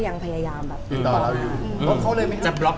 แต่เราทราบมาที่การงานเขาไหมคะ